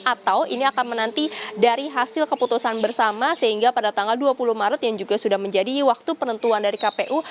atau ini akan menanti dari hasil keputusan bersama sehingga pada tanggal dua puluh maret yang juga sudah menjadi waktu penentuan dari kpu